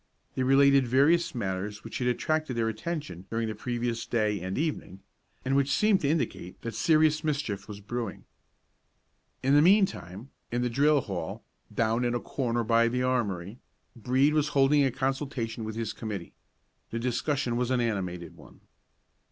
They related various matters which had attracted their attention during the previous day and evening, and which seemed to indicate that serious mischief was brewing. In the mean time, in the drill hall, down in a corner by the armory, Brede was holding a consultation with his committee. The discussion was an animated one.